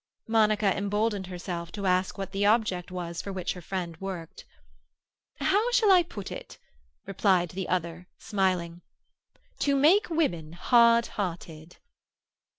Monica emboldened herself to ask what the object was for which her friend worked. "How shall I put it?" replied the other, smiling. "To make women hard hearted."